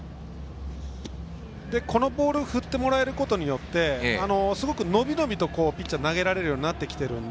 ボールを振ってもらえることによってすごく伸び伸びとピッチャーは投げられるようになってきています。